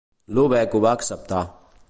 Lübeck ho va acceptar.